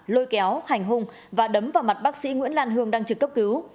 lôi kéo hành hung và đấm vào mặt bác sĩ nguyễn lan hương đang trực cấp cứu